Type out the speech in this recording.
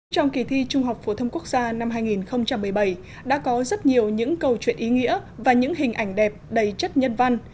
trong kỳ thi trung học phổ thông quốc gia năm hai nghìn một mươi bảy đã có rất nhiều những câu chuyện ý nghĩa và những hình ảnh đẹp đầy chất nhân văn